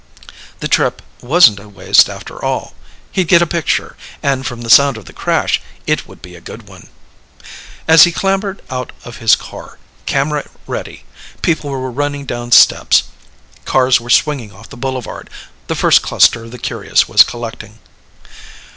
The trip wasn't a waste after all. He'd get a picture, and from the sound of the crash, it would be a good one. As he clambered out of his car, camera ready, people were running down steps, cars were swinging off the boulevard the first cluster of the curious was collecting.